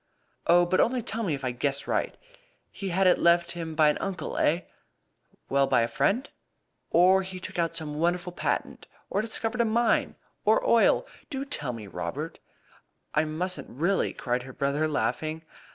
"Oh, but only tell me if I guess right. He had it left him by an uncle, eh? Well, by a friend? Or he took out some wonderful patent? Or he discovered a mine? Or oil? Do tell me, Robert!" "I mustn't, really," cried her brother laughing.